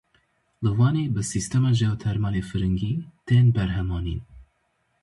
Li Wanê bi sîstema jeotermalê firingî tên berhemanîn.